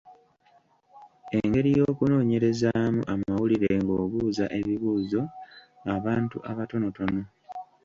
Engeri y’okunoonyerezaamu amawulire ng’obuuza ebibuuzo abantu abatonotono.